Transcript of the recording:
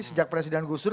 sejak presiden gusur